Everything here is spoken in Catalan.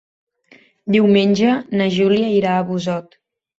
Diumenge na Júlia irà a Busot.